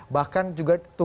bahkan juga tunggangan politik